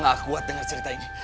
gue gak kuat denger cerita ini